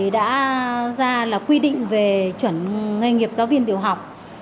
đã ra quy định về chuẩn nghề nghiệp giáo viên tiểu học